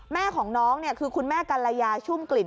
แม่ของน้องคือคุณแม่กัลยาชุ่มกลิ่น